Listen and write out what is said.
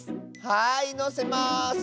はいのせます！